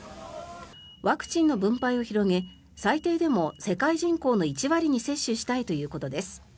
ワクチンの分配を広げ最低でも世界人口の１割に接種したいということです。